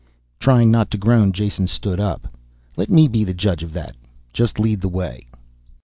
Trying not to groan, Jason stood up. "Let me be the judge of that. Just lead the way."